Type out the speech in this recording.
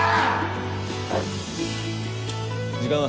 時間は？